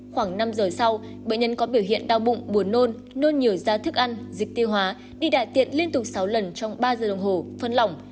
khoảng năm giờ sau bệnh nhân có biểu hiện đau bụng buồn nôn nôn nhiều da thức ăn dịch tiêu hóa đi đại tiện liên tục sáu lần trong ba giờ đồng hồ phân lỏng